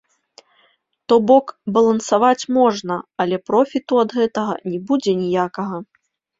То бок, балансаваць можна, але профіту ад гэтага не будзе ніякага.